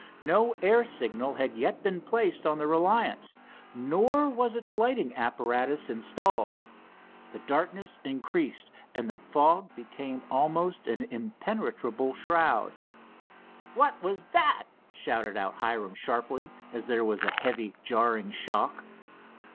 No air signal had yet been placed on the Reliance, nor was its lighting apparatus installed. The darkness increased, and the fog became almost an impenetrable shroud. "What was that?" shouted out Hiram sharply, as there was a heavy jarring shock.